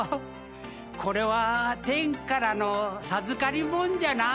これは天からの授かりもんじゃな。